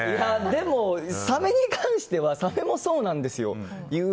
でも、サメに関してはサメもそうなんですよ。